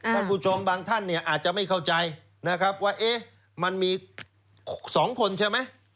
ท่านผู้ชมบางท่านเนี่ยอาจจะไม่เข้าใจนะครับว่ามันมี๒คนใช่ไหม